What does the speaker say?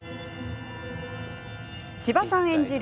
千葉さん演じる